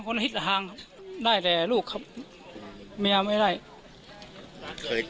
เคยเจอเหตุแบบนี้รึไม่ครับ